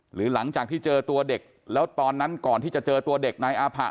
หลังจากที่เจอตัวเด็กแล้วตอนนั้นก่อนที่จะเจอตัวเด็กนายอาผะ